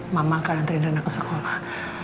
mama akan antrein rena ke sekolah